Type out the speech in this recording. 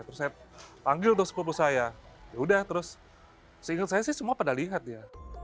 terus saya panggil tuh sepupu saya ya udah terus seingat saya sih semua pada lihat dia